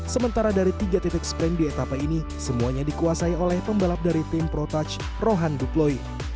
sementara dari tiga titik sprint di etapa ini semuanya dikuasai oleh pembalap dari tim pro touch rohan duploi